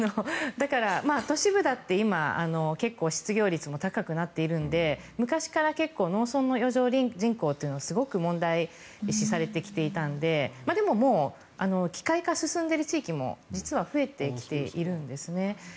都市部だって今、結構、失業率も高くなっているので昔から農村の余剰人口というのはすごく問題視されてきていたのででももう機械化が進んでいる地域も実は増えてきているんですね。